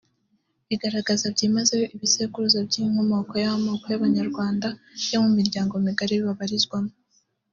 bigaragaza byimazeyo Ibisekuruza by’inkomoko y’amoko y’Abanyarwanda yo mu miryango migari babarizwamo